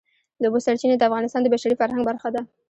د اوبو سرچینې د افغانستان د بشري فرهنګ برخه ده.